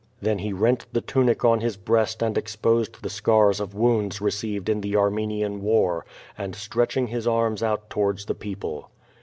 Then he lent the tunic on his breast and exposed the scars of wounds leceived in the Armenian war, and stretched his arms out to wards the people.